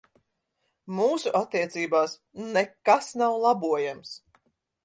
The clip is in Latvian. Mūsu attiecībās nekas nav labojams.